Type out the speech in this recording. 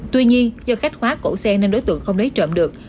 tuy nhiên do khách khóa cổ xe nên đối tượng không lấy trộm được